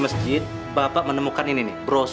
ganti apelnya gantiin ya awas